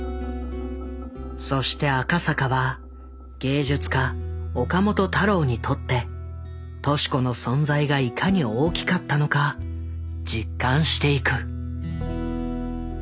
そして赤坂は芸術家岡本太郎にとって敏子の存在がいかに大きかったのか実感していく。